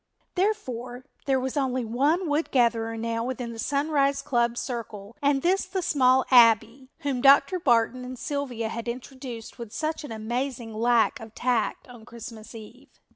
Therefore there was only one Wood Gatherer now within the Sunrise club circle and this the small Abbie, whom Dr. Barton and Sylvia had introduced with such an amazing lack of tact on Christmas eve.